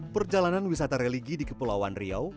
perjalanan wisata religi di kepulauan riau